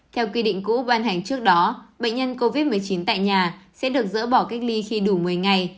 theo quy định cũ ban hành trước đó bệnh nhân covid một mươi chín tại nhà sẽ được dỡ bỏ cách ly khi đủ một mươi ngày